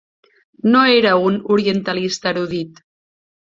No era un orientalista erudit.